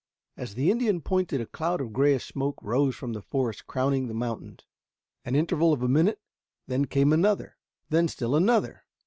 As the Indian pointed a cloud of grayish smoke rose from the forest crowning the mountain. An interval of a minute, then came another, then still another.